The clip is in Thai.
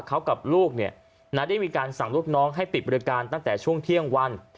เขากับลูกได้มีการสั่งลูกน้องให้ปิดบริการตั้งแต่ช่วงเที่ยงวัน